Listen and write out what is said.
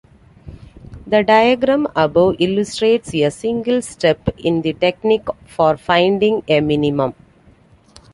The diagram above illustrates a single step in the technique for finding a minimum.